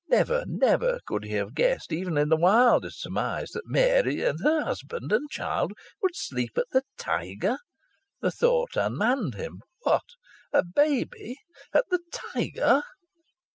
Never, never would he have guessed, even in the wildest surmise, that Mary and her husband and child would sleep at the Tiger! The thought unmanned him. What! A baby at the Tiger!